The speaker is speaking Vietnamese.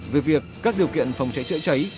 về việc các điều kiện phòng cháy chữa cháy